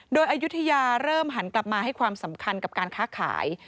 โดยอายุทยาเริ่มหันกลับมาให้ความสำคัญกับการค้าขาย